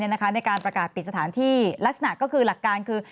ในการประกาศปิดสถานที่ลักษณะก็คือหลักการคือ